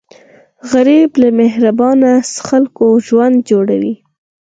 غریب له مهربانه خلکو ژوند جوړوي